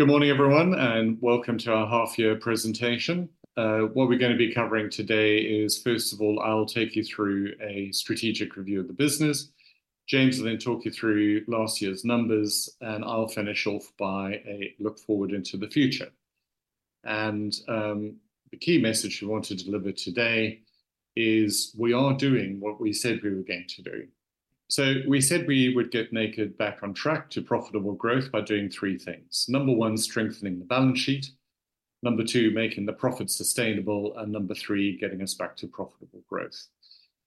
Good morning, everyone, and welcome to our half-year presentation. What we're gonna be covering today is, first of all, I'll take you through a strategic review of the business. James will then talk you through last year's numbers, and I'll finish off by a look forward into the future. The key message we want to deliver today is we are doing what we said we were going to do. So we said we would get Naked back on track to profitable growth by doing three things. Number one, strengthening the balance sheet. Number two, making the profits sustainable. And number three, getting us back to profitable growth.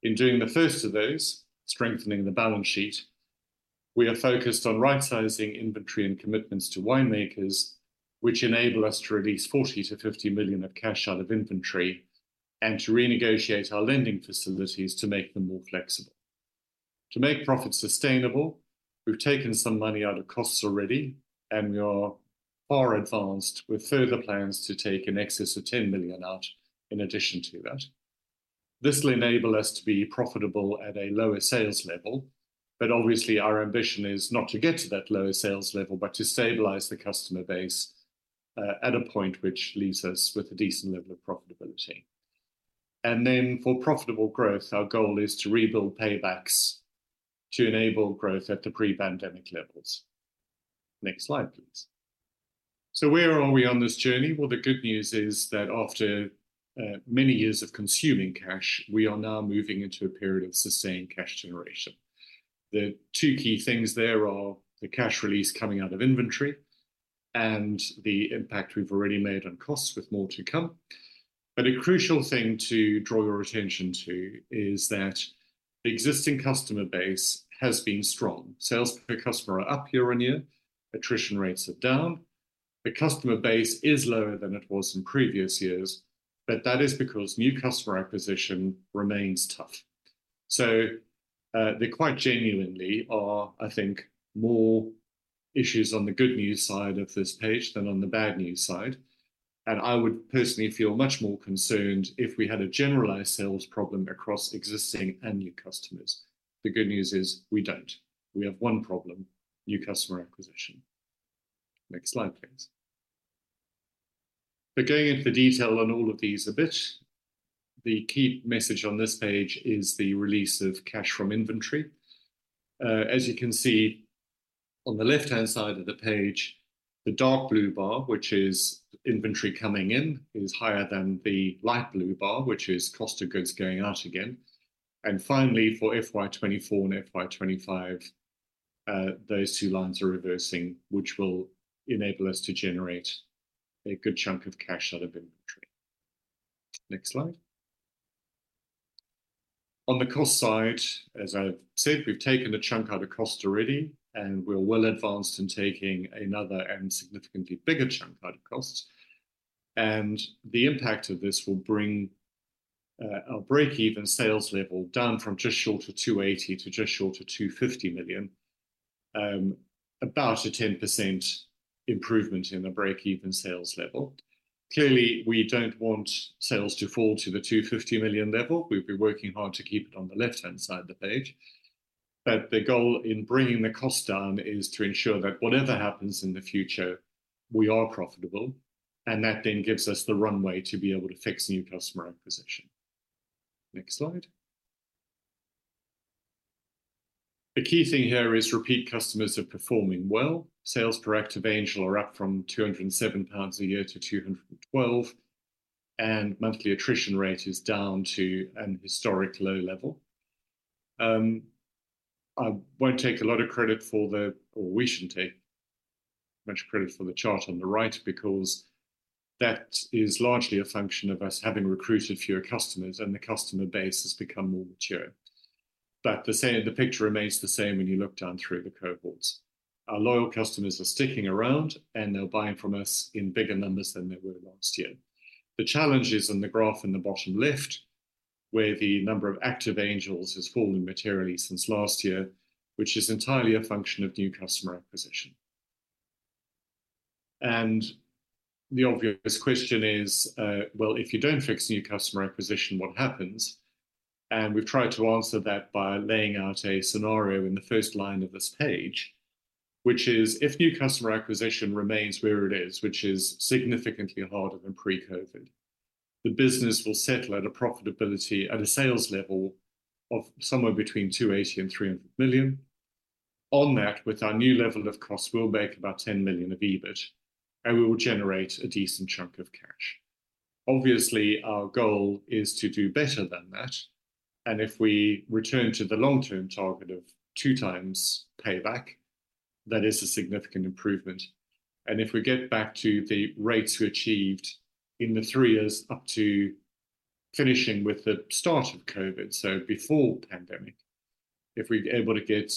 In doing the first of those, strengthening the balance sheet, we are focused on right-sizing inventory and commitments to winemakers, which enable us to release 40-50 million of cash out of inventory and to renegotiate our lending facilities to make them more flexible. To make profits sustainable, we've taken some money out of costs already, and we are far advanced with further plans to take in excess of 10 million out in addition to that. This will enable us to be profitable at a lower sales level, but obviously, our ambition is not to get to that lower sales level, but to stabilize the customer base, at a point which leaves us with a decent level of profitability. And then, for profitable growth, our goal is to rebuild paybacks, to enable growth at the pre-pandemic levels. Next slide, please. So where are we on this journey? Well, the good news is that after many years of consuming cash, we are now moving into a period of sustained cash generation. The two key things there are the cash release coming out of inventory and the impact we've already made on costs, with more to come. But a crucial thing to draw your attention to is that the existing customer base has been strong. Sales per customer are up YoY. Attrition rates are down. The customer base is lower than it was in previous years, but that is because new customer acquisition remains tough. So, there quite genuinely are, I think, more issues on the good news side of this page than on the bad news side, and I would personally feel much more concerned if we had a generalized sales problem across existing and new customers. The good news is we don't. We have one problem, new customer acquisition. Next slide, please. We're going into the detail on all of these a bit. The key message on this page is the release of cash from inventory. As you can see on the left-hand side of the page, the dark blue bar, which is inventory coming in, is higher than the light blue bar, which is cost of goods going out again. And finally, for FY 2024 and FY 2025, those two lines are reversing, which will enable us to generate a good chunk of cash out of inventory. Next slide. On the cost side, as I've said, we've taken a chunk out of cost already, and we're well advanced in taking another and significantly bigger chunk out of costs. The impact of this will bring our break-even sales level down from just short of 280 million to just short of 250 million, about a 10% improvement in the break-even sales level. Clearly, we don't want sales to fall to the 250 million level. We've been working hard to keep it on the left-hand side of the page, but the goal in bringing the cost down is to ensure that whatever happens in the future, we are profitable, and that then gives us the runway to be able to fix new customer acquisition. Next slide. The key thing here is repeat customers are performing well. Sales per active Angel are up from 207 pounds a year to 212, and monthly attrition rate is down to an historic low level. I won't take a lot of credit, or we shouldn't take much credit for the chart on the right, because that is largely a function of us having recruited fewer customers, and the customer base has become more mature. But the picture remains the same when you look down through the cohorts. Our loyal customers are sticking around, and they're buying from us in bigger numbers than they were last year. The challenges in the graph in the bottom left, where the number of active Angels has fallen materially since last year, which is entirely a function of new customer acquisition. And the obvious question is, well, if you don't fix new customer acquisition, what happens? We've tried to answer that by laying out a scenario in the first line of this page, which is, if new customer acquisition remains where it is, which is significantly harder than pre-COVID, the business will settle at a profitability at a sales level of somewhere between 280 million and 300 million. On that, with our new level of costs, we'll make about 10 million of EBIT, and we will generate a decent chunk of cash. Obviously, our goal is to do better than that, and if we return to the long-term target of 2x payback, that is a significant improvement. If we get back to the rates we achieved in the three years up to finishing with the start of COVID, so before pandemic, if we're able to get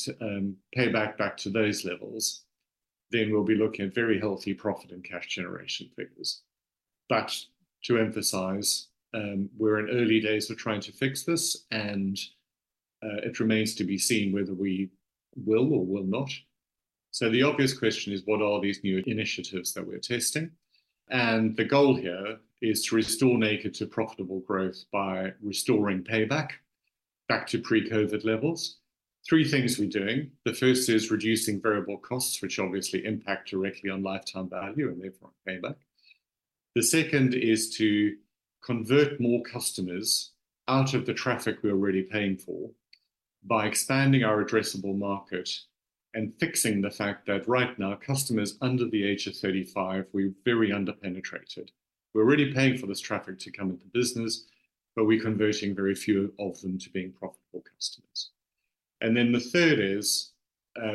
payback back to those levels, then we'll be looking at very healthy profit and cash generation figures. But to emphasize, we're in early days of trying to fix this, and it remains to be seen whether we will or will not. So the obvious question is: What are these new initiatives that we're testing? And the goal here is to restore Naked to profitable growth by restoring payback back to pre-COVID levels; three things we're doing. The first is reducing variable costs, which obviously impact directly on lifetime value and therefore payback. The second is to convert more customers out of the traffic we're already paying for, by expanding our addressable market and fixing the fact that right now, customers under the age of 35, we're very under-penetrated. We're already paying for this traffic to come into the business, but we're converting very few of them to being profitable customers. And then the third is,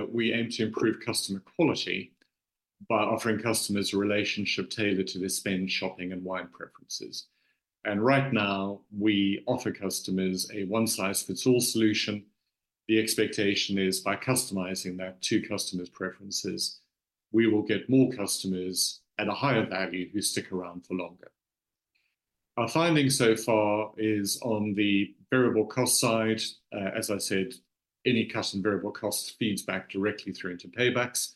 we aim to improve customer quality by offering customers a relationship tailored to their spend, shopping, and wine preferences. And right now, we offer customers a one-size-fits-all solution. The expectation is by customizing that to customers' preferences, we will get more customers at a higher value, who stick around for longer. Our finding so far is on the variable cost side, as I said, any custom variable cost feeds back directly through into paybacks.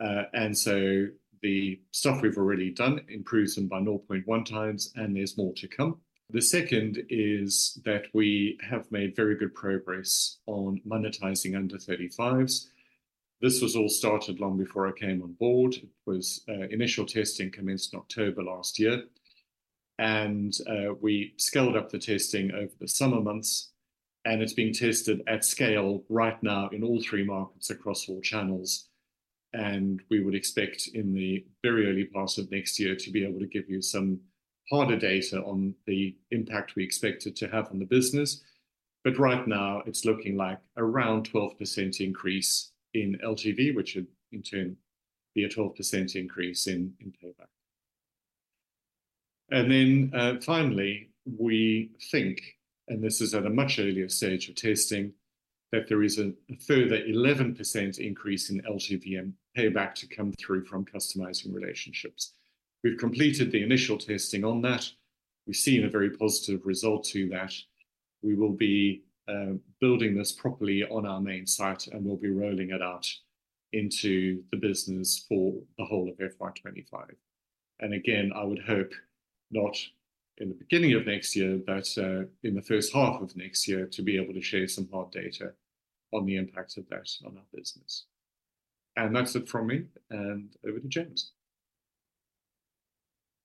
And so the stuff we've already done improves them by 0.1x, and there's more to come. The second is that we have made very good progress on monetizing under-35s. This was all started long before I came on board. It was initial testing commenced in October last year, and we scaled up the testing over the summer months, and it's being tested at scale right now in all three markets across all channels. And we would expect in the very early part of next year, to be able to give you some harder data on the impact we expect it to have on the business. But right now, it's looking like around 12% increase in LTV, which would in turn be a 12% increase in payback. And then, finally, we think, and this is at a much earlier stage of testing, that there is a further 11% increase in LTV and payback to come through from customizing relationships. We've completed the initial testing on that. We've seen a very positive result to that. We will be, building this properly on our main site, and we'll be rolling it out into the business for the whole of FY 2025. And again, I would hope, not in the beginning of next year, but, in the first half of next year, to be able to share some hard data on the impacts of that on our business. And that's it from me, and over to James.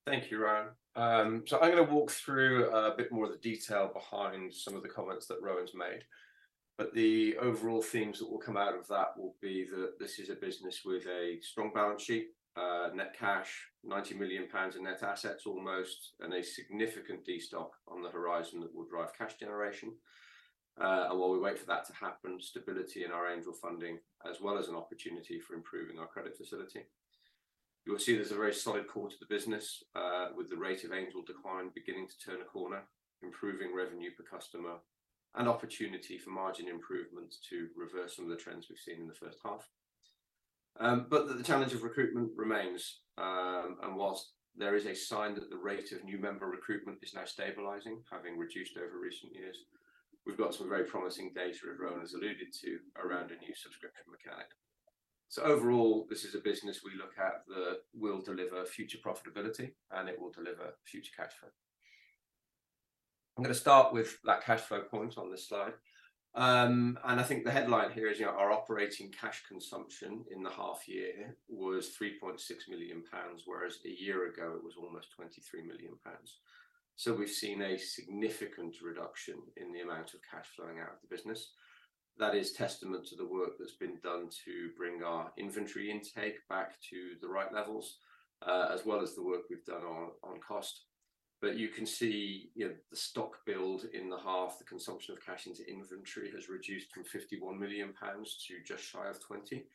Thank you, Rowan. So I'm gonna walk through a bit more of the detail behind some of the comments that Rowan's made, but the overall themes that will come out of that will be that this is a business with a strong balance sheet, net cash, 90 million pounds in net assets almost, and a significant destock on the horizon that will drive cash generation. And while we wait for that to happen, stability in our Angel funding, as well as an opportunity for improving our credit facility. You'll see there's a very solid core to the business, with the rate of Angel decline beginning to turn a corner, improving revenue per customer, and opportunity for margin improvements to reverse some of the trends we've seen in the first half. The challenge of recruitment remains, and while there is a sign that the rate of new member recruitment is now stabilizing, having reduced over recent years, we've got some very promising data, as Rowan has alluded to, around a new subscription mechanic. So overall, this is a business we look at that will deliver future profitability, and it will deliver future cash flow. I'm gonna start with that cash flow point on this slide. And I think the headline here is, you know, our operating cash consumption in the half year was 3.6 million pounds, whereas a year ago, it was almost 23 million pounds. So we've seen a significant reduction in the amount of cash flowing out of the business. That is testament to the work that's been done to bring our inventory intake back to the right levels, as well as the work we've done on, on cost. But you can see, you know, the stock build in the half, the consumption of cash into inventory, has reduced from 51 million pounds to just shy of 20 million.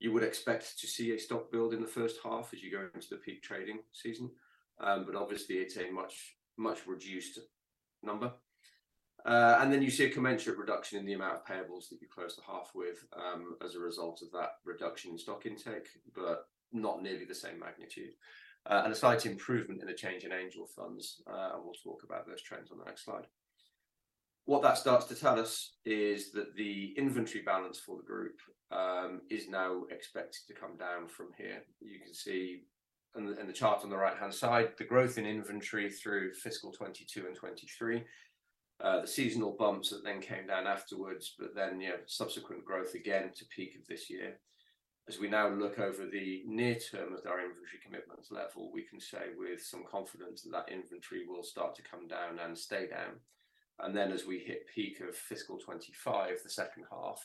You would expect to see a stock build in the first half as you go into the peak trading season, but obviously, it's a much, much reduced number. And then you see a commensurate reduction in the amount of payables that you close the half with, as a result of that reduction in stock intake, but not nearly the same magnitude. And a slight improvement in the change in Angel funds, and we'll talk about those trends on the next slide. What that starts to tell us is that the inventory balance for the group, is now expected to come down from here. You can see in the, in the chart on the right-hand side, the growth in inventory through fiscal 2022 and 2023. The seasonal bumps that then came down afterwards, but then, you have subsequent growth again to peak of this year. As we now look over the near term of our inventory commitments level, we can say with some confidence that that inventory will start to come down and stay down. And then, as we hit peak of fiscal 2025, the second half,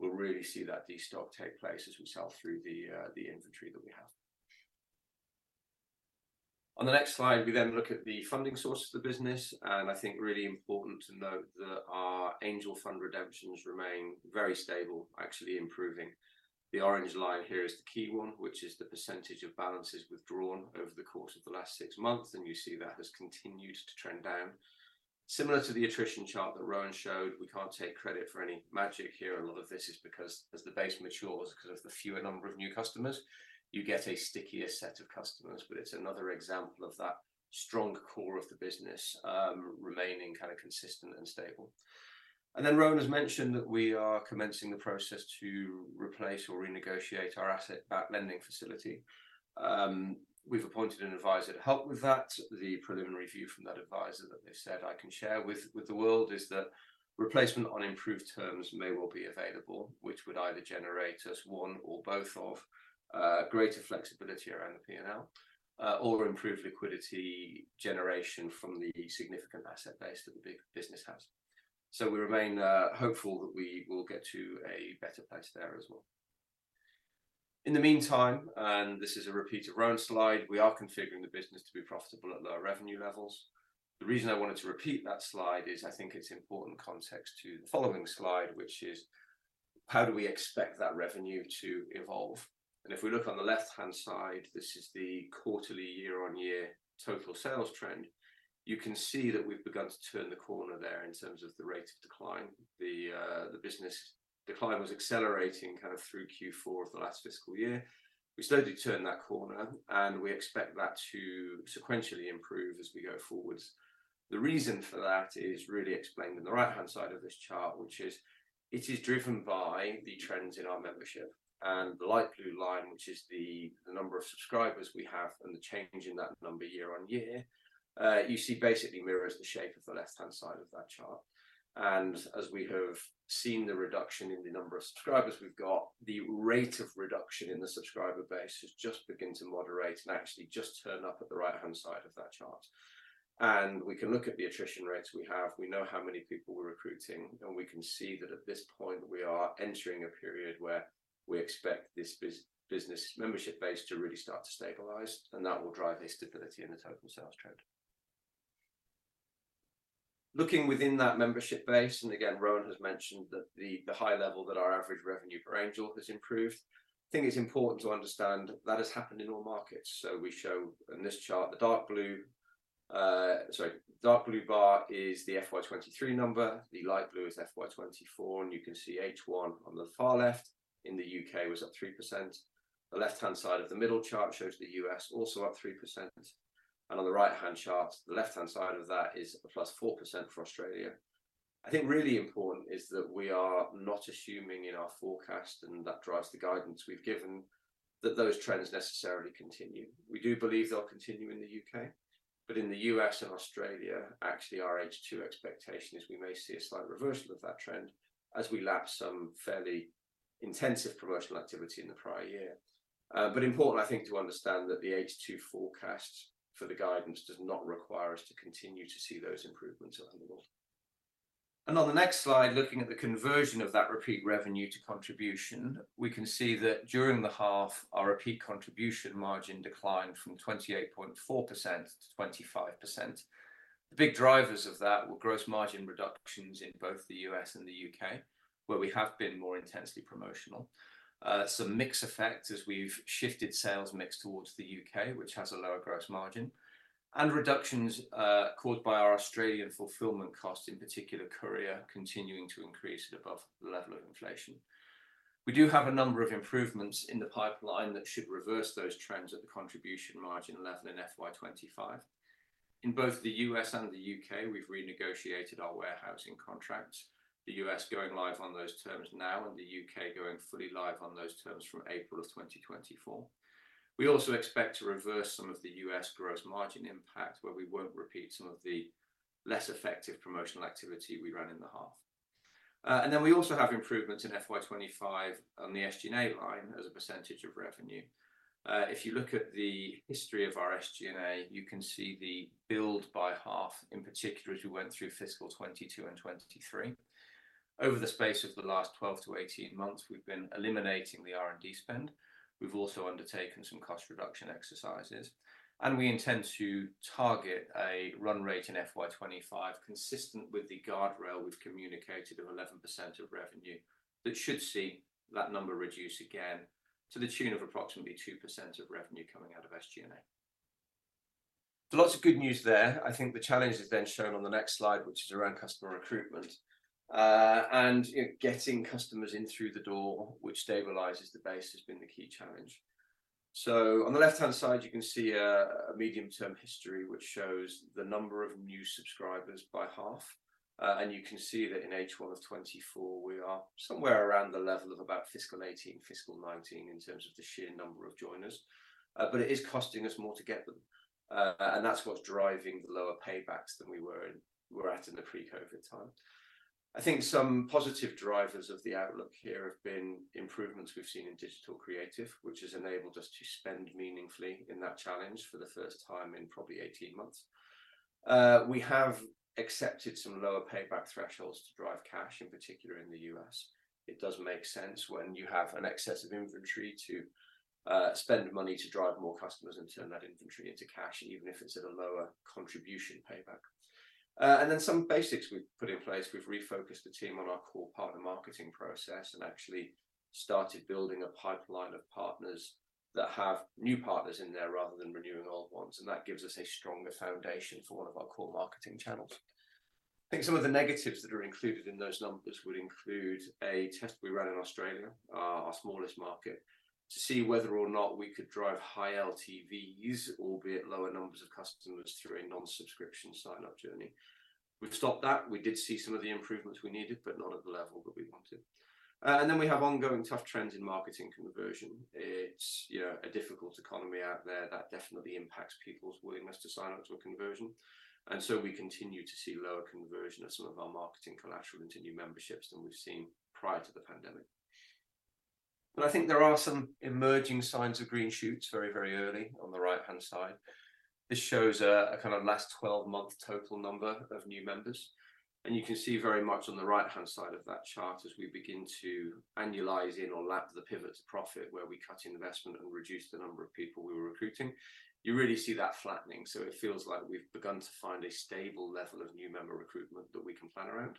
we'll really see that destock take place as we sell through the, the inventory that we have. On the next slide, we then look at the funding source of the business, and I think really important to note that our Angel fund redemptions remain very stable, actually improving. The orange line here is the key one, which is the percentage of balances withdrawn over the course of the last six months, and you see that has continued to trend down. Similar to the attrition chart that Rowan showed, we can't take credit for any magic here. A lot of this is because, as the base matures, 'cause of the fewer number of new customers, you get a stickier set of customers, but it's another example of that strong core of the business, remaining kind of consistent and stable. And then Rowan has mentioned that we are commencing the process to replace or renegotiate our asset-backed lending facility. We've appointed an advisor to help with that. The preliminary view from that advisor that they've said I can share with the world is that replacement on improved terms may well be available, which would either generate us one or both of greater flexibility around the P&L, or improved liquidity generation from the significant asset base that the big business has. So we remain hopeful that we will get to a better place there as well. In the meantime, and this is a repeat of Rowan's slide, we are configuring the business to be profitable at lower revenue levels. The reason I wanted to repeat that slide is I think it's important context to the following slide, which is: how do we expect that revenue to evolve? If we look on the left-hand side, this is the quarterly YoY total sales trend. You can see that we've begun to turn the corner there in terms of the rate of decline. The, the business decline was accelerating kind of through Q4 of the last fiscal year. We slowly turned that corner, and we expect that to sequentially improve as we go forward. The reason for that is really explained in the right-hand side of this chart, which is it is driven by the trends in our membership. And the light blue line, which is the, the number of subscribers we have and the change in that number YoY, you see basically mirrors the shape of the left-hand side of that chart. As we have seen the reduction in the number of subscribers we've got, the rate of reduction in the subscriber base has just begun to moderate and actually just turned up at the right-hand side of that chart. We can look at the attrition rates we have. We know how many people we're recruiting, and we can see that at this point we are entering a period where we expect this business membership base to really start to stabilize, and that will drive a stability in the total sales trend. Looking within that membership base, and again, Rowan has mentioned that the high level that our average revenue per Angel has improved. I think it's important to understand that has happened in all markets. So we show in this chart, the dark blue... Sorry, dark blue bar is the FY 2023 number, the light blue is FY 2024, and you can see H1 on the far left in the U.K. was up 3%. The left-hand side of the middle chart shows the U.S. also up 3%, and on the right-hand chart, the left-hand side of that is a +4% for Australia. I think really important is that we are not assuming in our forecast, and that drives the guidance we've given, that those trends necessarily continue. We do believe they'll continue in the U.K., but in the U.S. and Australia, actually our H2 expectation is we may see a slight reversal of that trend as we lap some fairly intensive promotional activity in the prior year. But important, I think, to understand that the H2 forecast for the guidance does not require us to continue to see those improvements around the world. And on the next slide, looking at the conversion of that repeat revenue to contribution, we can see that during the half, our repeat contribution margin declined from 28.4%-25%. The big drivers of that were gross margin reductions in both the U.S. and the U.K., where we have been more intensely promotional. Some mix effect as we've shifted sales mix towards the U.K., which has a lower gross margin, and reductions caused by our Australian fulfillment cost, in particular courier, continuing to increase at above the level of inflation. We do have a number of improvements in the pipeline that should reverse those trends at the contribution margin level in FY 2025. In both the U.S. and the U.K., we've renegotiated our warehousing contracts, the U.S. going live on those terms now, and the U.K. going fully live on those terms from April 2024. We also expect to reverse some of the U.S. gross margin impact, where we won't repeat some of the less effective promotional activity we ran in the half. And then we also have improvements in FY 2025 on the SG&A line as a percentage of revenue. If you look at the history of our SG&A, you can see the build by half, in particular, as we went through fiscal 2022 and 2023. Over the space of the last 12-18 months, we've been eliminating the R&D spend. We've also undertaken some cost reduction exercises, and we intend to target a run rate in FY 2025, consistent with the guardrail we've communicated of 11% of revenue. That should see that number reduce again to the tune of approximately 2% of revenue coming out of SG&A. So lots of good news there. I think the challenge is then shown on the next slide, which is around customer recruitment. And, you know, getting customers in through the door, which stabilizes the base, has been the key challenge. So on the left-hand side, you can see a medium-term history, which shows the number of new subscribers by half. And you can see that in H1 of 2024, we are somewhere around the level of about fiscal 2018, fiscal 2019, in terms of the sheer number of joiners. But it is costing us more to get them, and that's what's driving the lower paybacks than we were at in the pre-COVID time. I think some positive drivers of the outlook here have been improvements we've seen in digital creative, which has enabled us to spend meaningfully in that channel for the first time in probably 18 months. We have accepted some lower payback thresholds to drive cash, in particular in the US. It does make sense when you have an excess of inventory to spend money to drive more customers and turn that inventory into cash, even if it's at a lower contribution payback. And then some basics we've put in place. We've refocused the team on our core partner marketing process, and actually started building a pipeline of partners that have new partners in there rather than renewing old ones, and that gives us a stronger foundation for one of our core marketing channels. I think some of the negatives that are included in those numbers would include a test we ran in Australia, our smallest market, to see whether or not we could drive high LTVs, albeit lower numbers of customers, through a non-subscription sign-up journey. We've stopped that. We did see some of the improvements we needed, but not at the level that we wanted. And then we have ongoing tough trends in marketing conversion. It's a difficult economy out there, that definitely impacts people's willingness to sign up to a conversion. We continue to see lower conversion of some of our marketing collateral into new memberships than we've seen prior to the pandemic. I think there are some emerging signs of green shoots very, very early on the right-hand side. This shows a kind of last 12-month total number of new members, and you can see very much on the right-hand side of that chart, as we begin to annualize in or lap the pivot to profit, where we cut investment and reduced the number of people we were recruiting, you really see that flattening. It feels like we've begun to find a stable level of new member recruitment that we can plan around.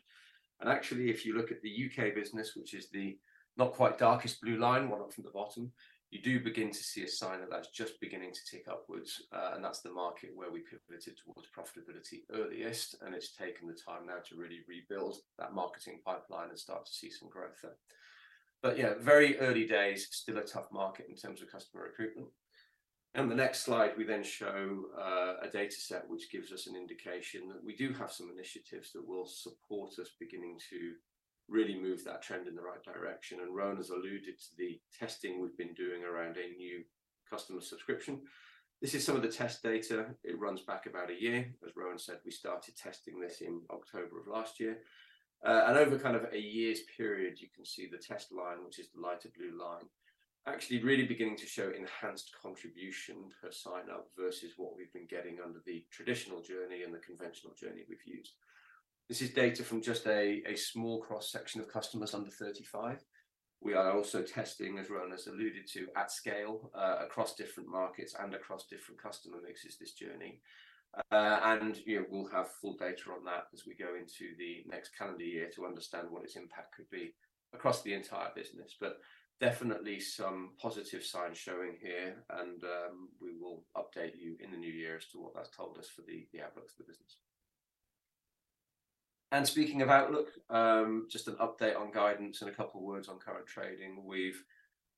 Actually, if you look at the U.K. business, which is the not quite darkest blue line, one up from the bottom, you do begin to see a sign that that's just beginning to tick upwards. And that's the market where we pivoted towards profitability earliest, and it's taken the time now to really rebuild that marketing pipeline and start to see some growth there. But yeah, very early days, still a tough market in terms of customer recruitment. On the next slide, we then show a data set, which gives us an indication that we do have some initiatives that will support us beginning to really move that trend in the right direction. Rowan has alluded to the testing we've been doing around a new customer subscription. This is some of the test data. It runs back about a year. As Rowan said, we started testing this in October of last year. Over kind of a year's period, you can see the test line, which is the lighter blue line, actually really beginning to show enhanced contribution per sign-up versus what we've been getting under the traditional journey and the conventional journey we've used. This is data from just a small cross-section of customers under 35. We are also testing, as Rowan has alluded to, at scale, across different markets and across different customer mixes this journey. You know, we'll have full data on that as we go into the next calendar year to understand what its impact could be across the entire business. Definitely some positive signs showing here, and we will update you in the new year as to what that's told us for the outlook for the business. Speaking of outlook, just an update on guidance and a couple of words on current trading. We've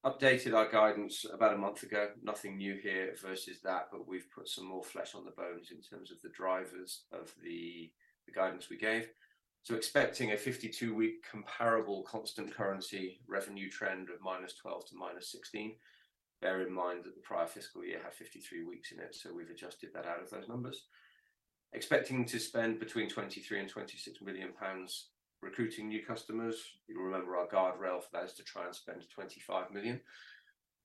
updated our guidance about a month ago. Nothing new here versus that, but we've put some more flesh on the bones in terms of the drivers of the guidance we gave. So expecting a 52-week comparable constant currency revenue trend of -12 to -16. Bear in mind that the prior fiscal year had 53 weeks in it, so we've adjusted that out of those numbers. Expecting to spend between 23 million and 26 million pounds recruiting new customers. You'll remember our guardrail for that is to try and spend 25 million.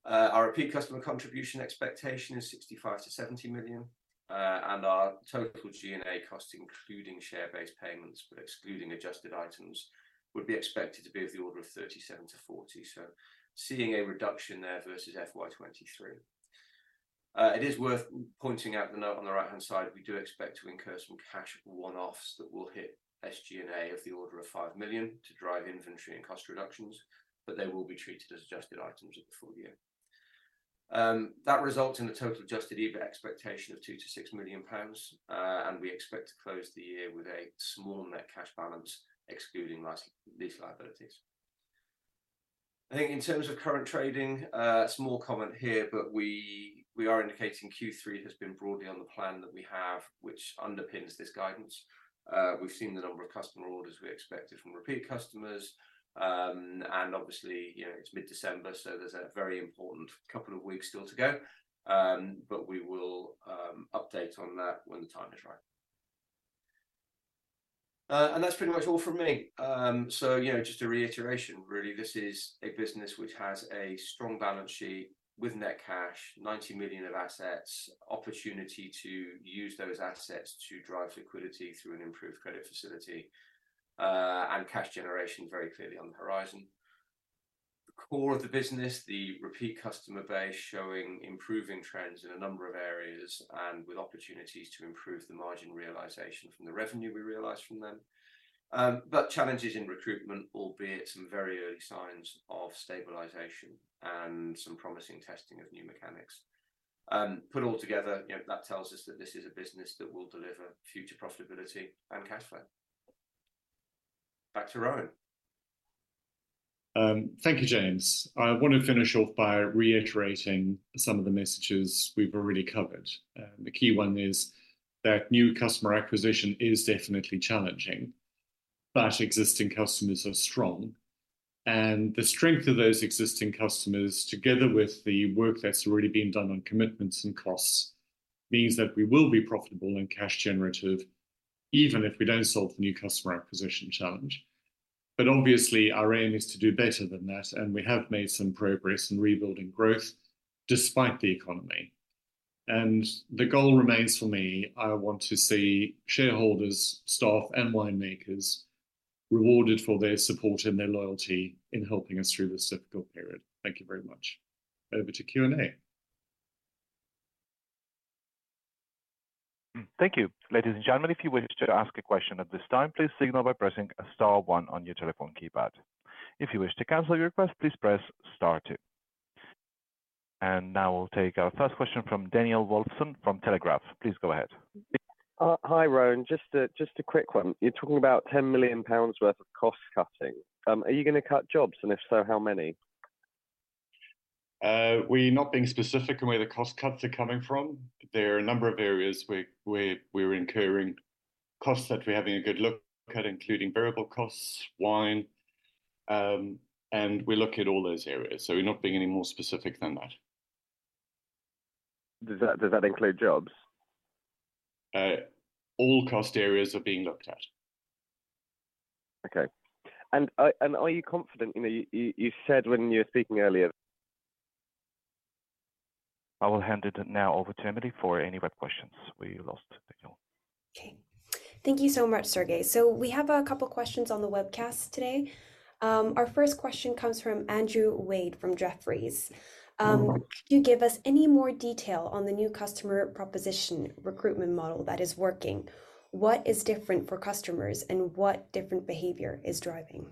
Our repeat customer contribution expectation is 65 million-70 million. And our total G&A cost, including share-based payments, but excluding adjusted items, would be expected to be of the order of 37 million-40 million. So seeing a reduction there versus FY 2023. It is worth pointing out the note on the right-hand side, we do expect to incur some cash one-offs that will hit SG&A of the order of 5 million to drive inventory and cost reductions, but they will be treated as adjusted items at the full year. That results in a total adjusted EBITDA expectation of 2 million-6 million pounds, and we expect to close the year with a small net cash balance, excluding lease liabilities. I think in terms of current trading, small comment here, but we, we are indicating Q3 has been broadly on the plan that we have, which underpins this guidance. We've seen the number of customer orders we expected from repeat customers. And obviously, you know, it's mid-December, so there's a very important couple of weeks still to go. But we will update on that when the time is right. And that's pretty much all from me. So, you know, just a reiteration, really, this is a business which has a strong balance sheet with net cash, 90 million of assets, opportunity to use those assets to drive liquidity through an improved credit facility, and cash generation very clearly on the horizon. The core of the business, the repeat customer base, showing improving trends in a number of areas and with opportunities to improve the margin realization from the revenue we realize from them. But challenges in recruitment, albeit some very early signs of stabilization and some promising testing of new mechanics. Put all together, you know, that tells us that this is a business that will deliver future profitability and cash flow. Back to Rowan. Thank you, James. I want to finish off by reiterating some of the messages we've already covered. The key one is that new customer acquisition is definitely challenging, but existing customers are strong, and the strength of those existing customers, together with the work that's already been done on commitments and costs, means that we will be profitable and cash generative, even if we don't solve the new customer acquisition challenge. But obviously, our aim is to do better than that, and we have made some progress in rebuilding growth despite the economy. And the goal remains for me, I want to see shareholders, staff, and winemakers rewarded for their support and their loyalty in helping us through this difficult period. Thank you very much. Over to Q&A. Thank you. Ladies and gentlemen, if you wish to ask a question at this time, please signal by pressing star one on your telephone keypad. If you wish to cancel your request, please press star two. Now we'll take our first question from Daniel Woolfson from The Telegraph. Please go ahead. Hi, Rowan. Just a quick one. You're talking about 10 million pounds worth of cost cutting. Are you gonna cut jobs? And if so, how many? We're not being specific on where the cost cuts are coming from. There are a number of areas where we're incurring costs that we're having a good look at, including variable costs, and we look at all those areas, so we're not being any more specific than that. Does that include jobs? All cost areas are being looked at. Okay. Are you confident, you know, you said when you were speaking earlier- I will hand it now over to Emily for any web questions. We lost Nigel. Okay. Thank you so much, Sergey. We have a couple questions on the webcast today. Our first question comes from Andrew Wade, from Jefferies. Mm-hmm. Could you give us any more detail on the new customer proposition recruitment model that is working? What is different for customers, and what different behavior is driving?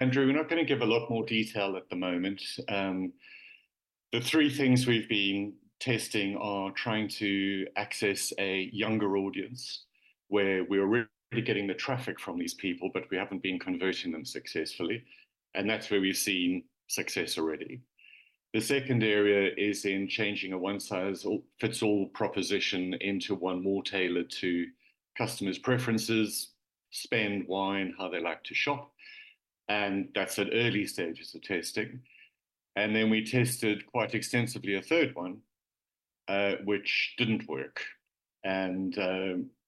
Andrew, we're not gonna give a lot more detail at the moment. The three things we've been testing are trying to access a younger audience, where we're really getting the traffic from these people, but we haven't been converting them successfully, and that's where we've seen success already. The second area is in changing a one-size-fits-all proposition into one more tailored to customers' preferences, spend, wine, how they like to shop, and that's at early stages of testing. And then we tested quite extensively a third one, which didn't work, and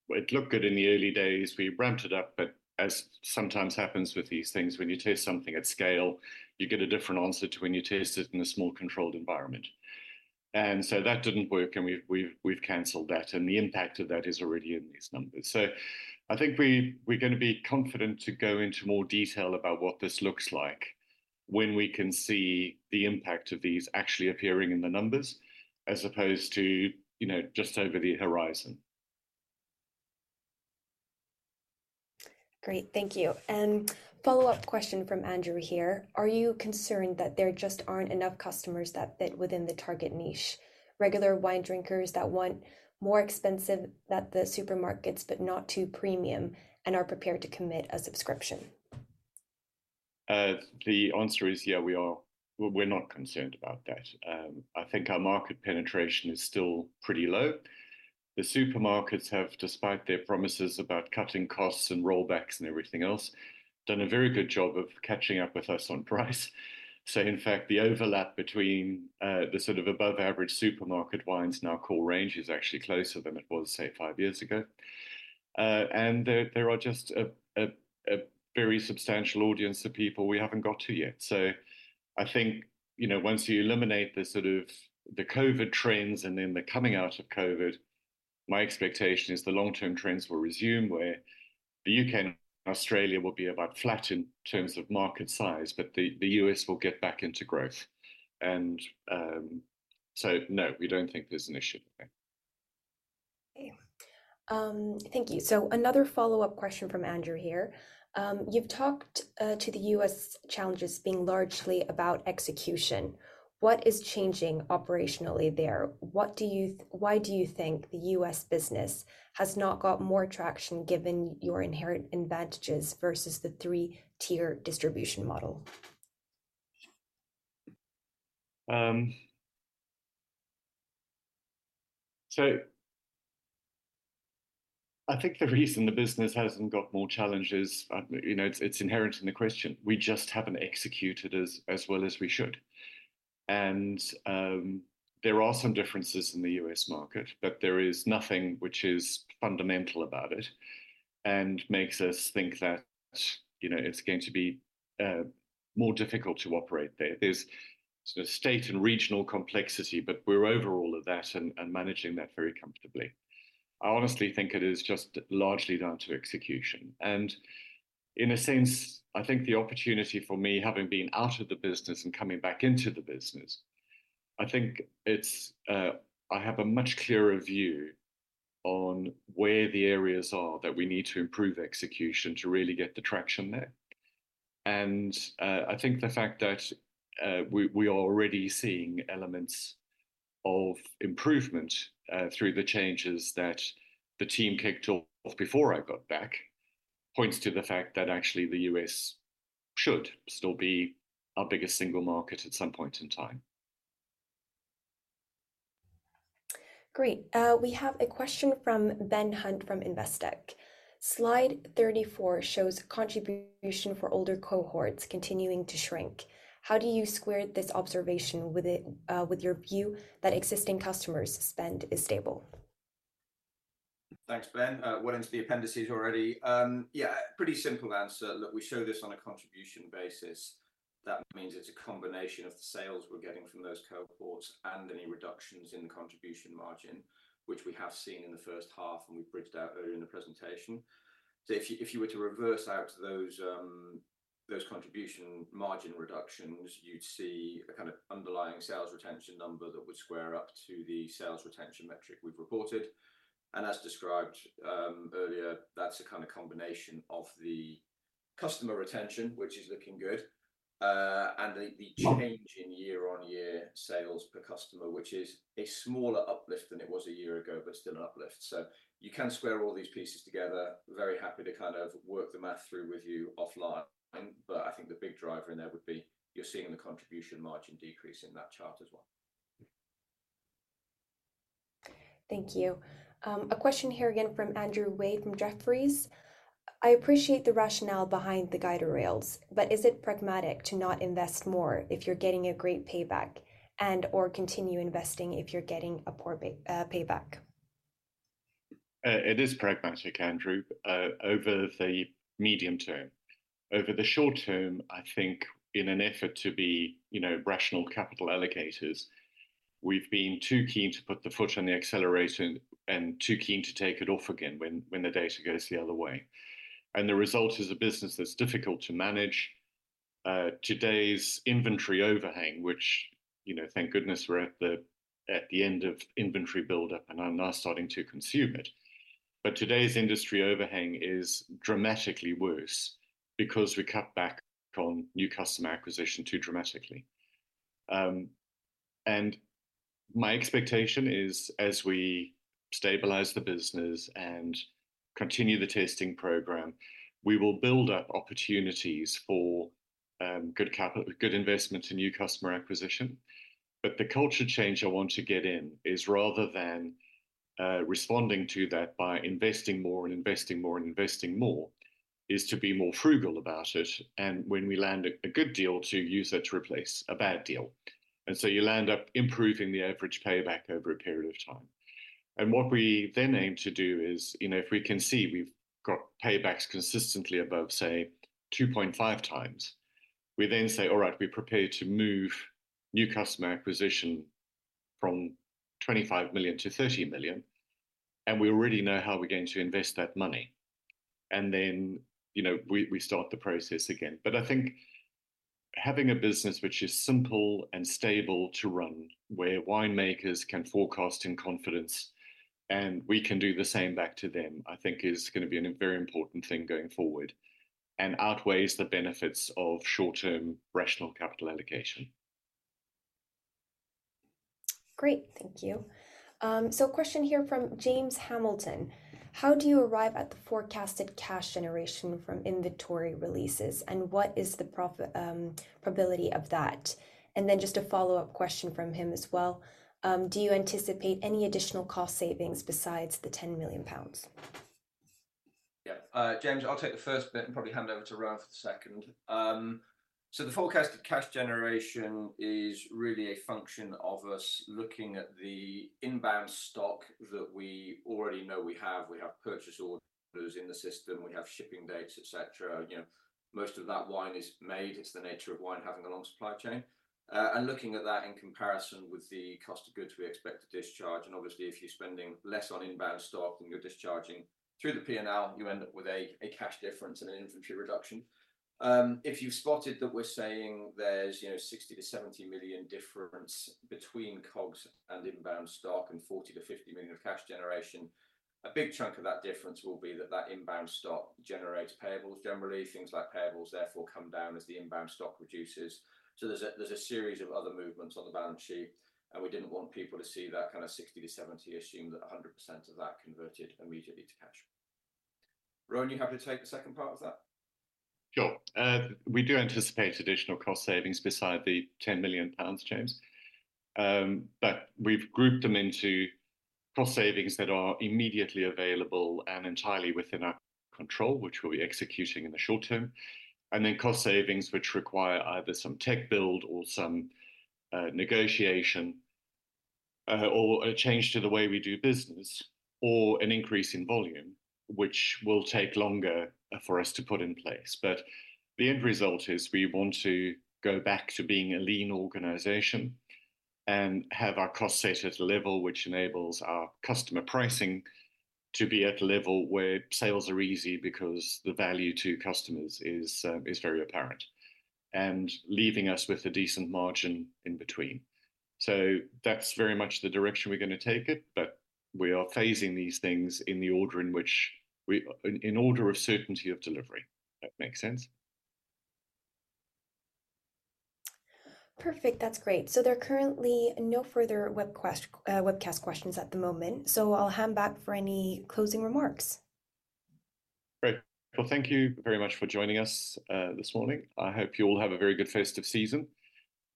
it looked good in the early days. We ramped it up, but as sometimes happens with these things, when you test something at scale, you get a different answer to when you test it in a small, controlled environment. And so that didn't work, and we've cancelled that, and the impact of that is already in these numbers. So I think we're gonna be confident to go into more detail about what this looks like when we can see the impact of these actually appearing in the numbers, as opposed to, you know, just over the horizon. Great, thank you. Follow-up question from Andrew here: Are you concerned that there just aren't enough customers that fit within the target niche? Regular wine drinkers that want more expensive than the supermarkets, but not too premium, and are prepared to commit a subscription. The answer is yeah, we are. Well, we're not concerned about that. I think our market penetration is still pretty low. The supermarkets have, despite their promises about cutting costs and rollbacks and everything else, done a very good job of catching up with us on price. So in fact, the overlap between the sort of above average supermarket wines and our core range is actually closer than it was, say, five years ago. And there are just a very substantial audience of people we haven't got to yet. So I think, you know, once you eliminate the sort of the COVID trends and then the coming out of COVID, my expectation is the long-term trends will resume, where the U.K. and Australia will be about flat in terms of market size, but the U.S. will get back into growth. No, we don't think there's an issue there. Okay. Thank you. So another follow-up question from Andrew here. You've talked to the U.S. challenges being largely about execution. What is changing operationally there? What do you think the U.S. business has not got more traction, given your inherent advantages versus the three-tier distribution model? So I think the reason the business hasn't got more challenges, you know, it's, it's inherent in the question. We just haven't executed as, as well as we should. And there are some differences in the U.S. market, but there is nothing which is fundamental about it and makes us think that, you know, it's going to be more difficult to operate there. There's sort of state and regional complexity, but we're over all of that and, and managing that very comfortably. I honestly think it is just largely down to execution, and in a sense, I think the opportunity for me, having been out of the business and coming back into the business, I think it's, I have a much clearer view on where the areas are that we need to improve execution to really get the traction there. I think the fact that we are already seeing elements of improvement through the changes that the team kicked off before I got back points to the fact that actually the U.S. should still be our biggest single market at some point in time. Great. We have a question from Ben Hunt, from Investec. Slide 34 shows contribution for older cohorts continuing to shrink. How do you square this observation with it, with your view that existing customer spend is stable? Thanks, Ben. Went into the appendices already. Yeah, pretty simple answer. Look, we show this on a contribution basis. That means it's a combination of the sales we're getting from those cohorts and any reductions in the contribution margin, which we have seen in the first half, and we bridged out earlier in the presentation. So if you were to reverse out those contribution margin reductions, you'd see a kind of underlying sales retention number that would square up to the sales retention metric we've reported. And as described earlier, that's a kind of combination of the customer retention, which is looking good, and the change in YoY sales per customer, which is a smaller uplift than it was a year ago, but still an uplift. So you can square all these pieces together. Very happy to kind of work the math through with you offline, but I think the big driver in there would be you're seeing the contribution margin decrease in that chart as well.... Thank you. A question here again from Andrew Wade, from Jefferies. I appreciate the rationale behind the guardrails, but is it pragmatic to not invest more if you're getting a great payback and/or continue investing if you're getting a poor pay, payback? It is pragmatic, Andrew, over the medium term. Over the short term, I think in an effort to be, you know, rational capital allocators, we've been too keen to put the foot on the accelerator and too keen to take it off again when the data goes the other way. The result is a business that's difficult to manage. Today's inventory overhang, which, you know, thank goodness we're at the end of inventory buildup, and are now starting to consume it. But today's inventory overhang is dramatically worse because we cut back on new customer acquisition too dramatically. And my expectation is, as we stabilize the business and continue the tasting program, we will build up opportunities for good investment in new customer acquisition. But the culture change I want to get in is rather than responding to that by investing more and investing more, and investing more, is to be more frugal about it, and when we land a good deal, to use that to replace a bad deal. And so you'll end up improving the average payback over a period of time. And what we then aim to do is, you know, if we can see we've got paybacks consistently above, say, 2.5x, we then say, "All right, we're prepared to move new customer acquisition from 25 million to 30 million, and we already know how we're going to invest that money." And then, you know, we start the process again. But I think having a business which is simple and stable to run, where winemakers can forecast in confidence, and we can do the same back to them, I think is gonna be a very important thing going forward and outweighs the benefits of short-term rational capital allocation. Great, thank you. So a question here from James Hamilton: How do you arrive at the forecasted cash generation from inventory releases, and what is the probability of that? And then just a follow-up question from him as well: Do you anticipate any additional cost savings besides the 10 million pounds? Yeah. James, I'll take the first bit and probably hand over to Rowan for the second. So the forecasted cash generation is really a function of us looking at the inbound stock that we already know we have. We have purchase orders in the system, we have shipping dates, et cetera. You know, most of that wine is made. It's the nature of wine having a long supply chain. And looking at that in comparison with the cost of goods we expect to discharge, and obviously, if you're spending less on inbound stock than you're discharging through the P&L, you end up with a cash difference and an inventory reduction. If you've spotted that we're saying there's, you know, 60-70 million difference between COGS and inbound stock and 40-50 million of cash generation, a big chunk of that difference will be that that inbound stock generates payables. Generally, things like payables therefore come down as the inbound stock reduces. So there's a series of other movements on the balance sheet, and we didn't want people to see that kind of 60-70 million, assuming that 100% of that converted immediately to cash. Rowan, you happy to take the second part of that? Sure. We do anticipate additional cost savings beside the 10 million pounds, James. But we've grouped them into cost savings that are immediately available and entirely within our control, which we'll be executing in the short term, and then cost savings which require either some tech build or some negotiation, or a change to the way we do business, or an increase in volume, which will take longer for us to put in place. But the end result is we want to go back to being a lean organization and have our cost set at a level which enables our customer pricing to be at a level where sales are easy because the value to customers is very apparent, and leaving us with a decent margin in between. So that's very much the direction we're gonna take it, but we are phasing these things in order of certainty of delivery. That make sense? Perfect. That's great. So there are currently no further webcast questions at the moment, so I'll hang back for any closing remarks. Great. Well, thank you very much for joining us this morning. I hope you all have a very good festive season,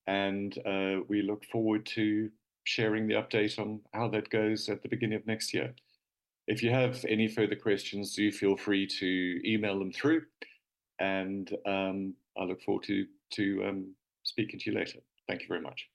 and we look forward to sharing the update on how that goes at the beginning of next year. If you have any further questions, do feel free to email them through, and I look forward to speaking to you later. Thank you very much.